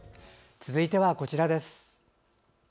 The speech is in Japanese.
続いては、こちらです。